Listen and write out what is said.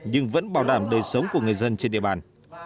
nhưng vẫn bảo đảm đời sống của người dân trên địa bàn